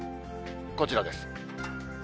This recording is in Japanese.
こちらです。